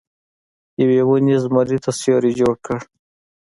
یوې ونې زمري ته سیوری جوړ کړ.